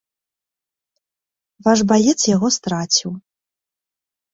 Ваш баец яго страціў.